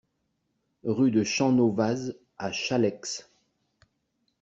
Rue de Champnovaz à Challex